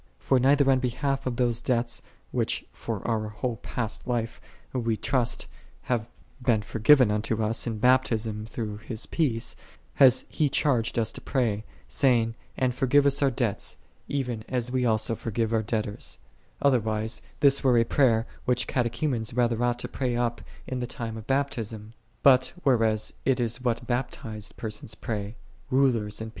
For neither on behalf of those debts, | which for our whole past life we trust have j been forgiven unto us in Baptism through j His peace, hath He charged us to pray, say j ing, "And forgive us our debts, even as we also forgive our debtors: " otherwise this were j a prayer which Catechumens rather ought to pray up to the time of Baptism; but whereas it is what baptized persons pray, rulers and